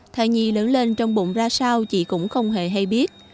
thai nhi lớn lên trong bụng ra sao chị cũng không hề hay biết